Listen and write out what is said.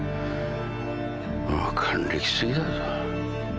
もう還暦すぎだぞ。